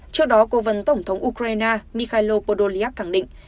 trước đó cố vấn tổng thống ukraine mikhail podolyak khẳng định